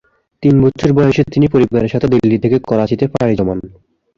তিন বছর বয়সে তিনি পরিবারের সাথে দিল্লি থেকে করাচিতে পাড়ি জমান।